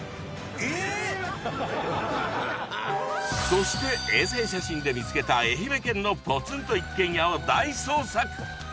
そして衛星写真で見つけた愛媛県のポツンと一軒家を大捜索！